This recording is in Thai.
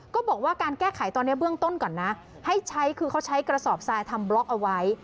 ก็บอกว่าการแก้ไขตอนนี้เบื้องต้นก่อนนะให้ใช้คือเขาใช้กระสอบทรายทำบล็อกเอาไว้